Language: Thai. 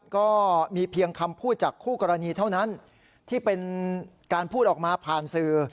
ก็มีเพียงคำพูดจากคู่กรณีเท่านั้นที่เป็นการพูดออกมาผ่านสื่อ